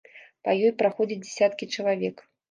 Па ёй праходзяць дзясяткі чалавек.